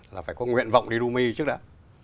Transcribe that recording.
là phải có nguyện vọng đi kumani trước đã